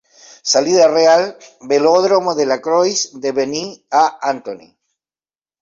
Salida real: Velódromo de la Croix-de-Benny a Antony.